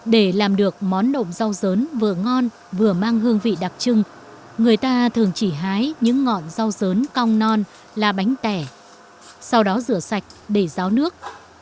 để làm được món nộm rau dớn vừa ngon vừa mang hương vị đặc trưng người ta thường chỉ hái những ngọn rau dớn cong non là bánh tẻ sau đó rửa sạch để ráo nước